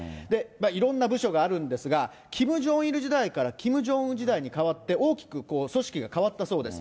いろんな部署があるんですが、キム・ジョンイル時代からキム・ジョンウン時代に変わって、大きく組織が変わったそうです。